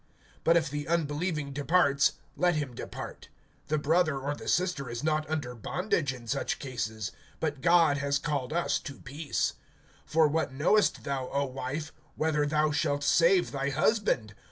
(15)But if the unbelieving departs, let him depart. The brother or the sister is not under bondage in such cases; but God has called us to peace. (16)For what knowest thou, O wife, whether thou shalt save thy husband?